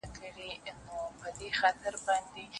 نوم چي د ښکلا اخلي بس ته به یې